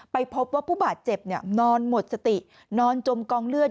พบว่าผู้บาดเจ็บนอนหมดสตินอนจมกองเลือด